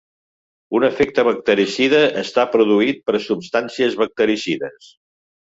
Un efecte bactericida està produït per substàncies bactericides.